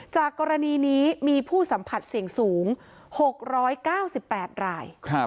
จากกรณีนี้มีผู้สัมผัสเสี่ยงสูง๖๙๘ราย